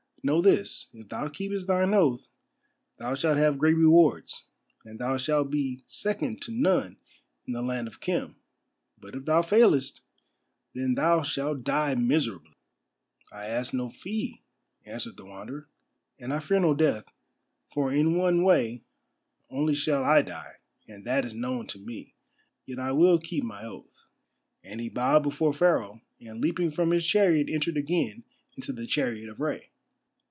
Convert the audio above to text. "Know this, if thou keepest thine oath thou shalt have great rewards, and thou shalt be second to none in the land of Khem, but if thou failest, then thou shalt die miserably." "I ask no fee," answered the Wanderer, "and I fear no death, for in one way only shall I die, and that is known to me. Yet I will keep my oath." And he bowed before Pharaoh, and leaping from his chariot entered again into the chariot of Rei.